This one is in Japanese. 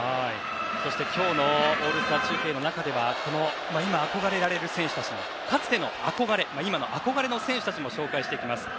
そして今日のオールスター中継の中では今憧れられる選手たちのかつての憧れ今の憧れの選手たちも紹介していきます。